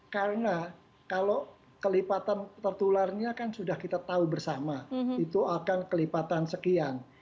karena kalau kelipatan tertularnya kan sudah kita tahu bersama itu akan kelipatan sekian